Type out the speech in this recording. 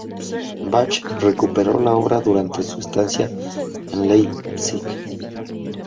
Bach recuperó la obra durante su estancia en Leipzig.